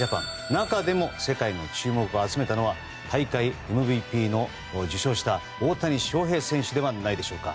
中でも世界の注目を集めたのは大会ＭＶＰを受賞した大谷翔平選手ではないでしょうか。